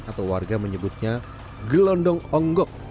atau warga menyebutnya gelondong onggok